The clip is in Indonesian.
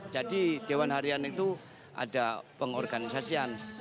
jadi dewan harian itu ada pengorganisasian